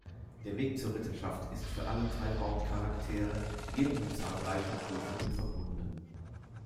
Der Weg zur Ritterschaft ist für alle drei Hauptcharaktere jedoch mit zahlreichen Prüfungen verbunden.